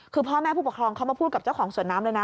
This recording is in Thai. คือพ่อแม่ผู้ปกครองเขามาพูดกับเจ้าของสวนน้ำเลยนะ